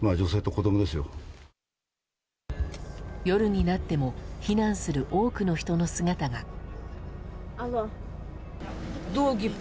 夜になっても避難する多くの人の姿が。